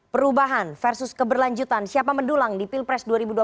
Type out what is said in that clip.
perubahan versus keberlanjutan siapa mendulang di pilpres dua ribu dua puluh